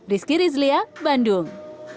rizky rizlia bandung